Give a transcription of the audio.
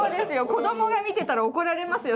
子供が見てたら怒られますよ。